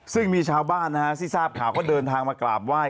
ซึ่งมีชาวบ้านนะฮะที่ทราบข่าวก็เดินทางมากราบไหว้